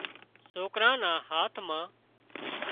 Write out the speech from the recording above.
سوڪران نا هاٿ مان